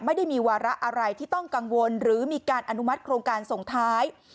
ไม่ได้มีวาระอะไรที่ต้องกังวลหรือมีการอนุมัติโครงการส่งท้าย